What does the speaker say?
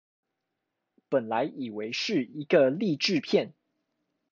本來以為是一個勵志片